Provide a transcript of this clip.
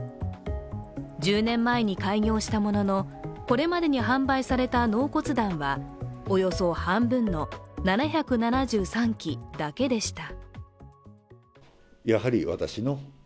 １０年前に開業したもののこれまでに販売された納骨壇はおよそ半分の７７３基だけでした。